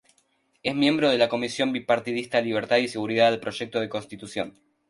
Es miembro de la comisión bipartidista Libertad y Seguridad del Proyecto de Constitución.